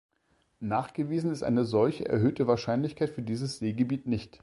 Nachgewiesen ist eine solche erhöhte Wahrscheinlichkeit für dieses Seegebiet nicht.